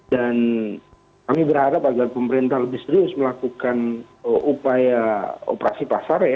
dan kami berharap agar pemerintah lebih serius melakukan upaya operasi pasar